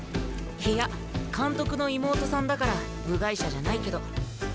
いや監督の妹さんだから部外者じゃないけど。